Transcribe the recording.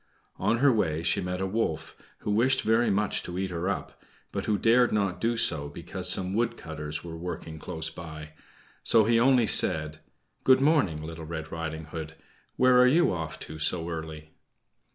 On her way she met a wolf, who wished very much to eat her up; but who dared not do so because some wood cutters were working close by. So he only said: "Good morning, Little Red Riding Hood; where are you off to so early?"